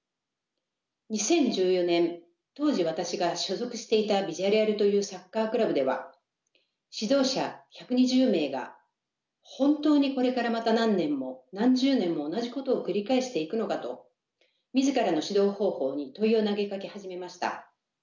２０１４年当時私が所属していたビジャレアルというサッカークラブでは指導者１２０名が本当にこれからまた何年も何十年も同じことを繰り返していくのかと自らの指導方法に問いを投げかけ始めました。